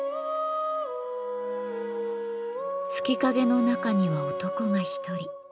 月影の中には男が１人。